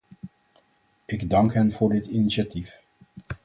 Ik dank hen voor dit initiatief.